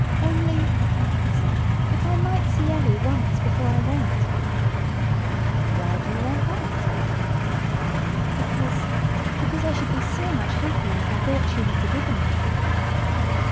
"Only," he said, "if I might see Ellie once before I went!" "Why do you want that?" "Because—because I should be so much happier if I thought she had forgiven me."